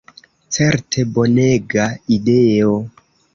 Certe bonega ideo.